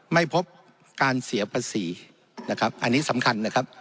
ไม่พบการเสียปศีร์อันนี้สำคัญ